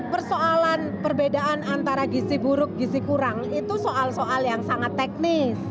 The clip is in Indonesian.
persoalan perbedaan antara gizi buruk dan gizi kurang itu soal soal yang sangat teknis